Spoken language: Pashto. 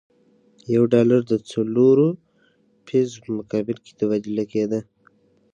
یو ډالر د څلورو پیزو په مقابل کې تبادله کېده.